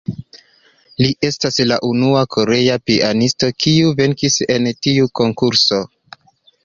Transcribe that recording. Li estas la unua korea pianisto, kiu venkis en tiu Konkurso.